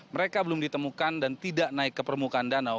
mereka belum ditemukan dan tidak naik ke permukaan danau